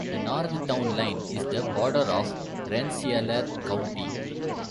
The north town line is the border of Rensselaer County.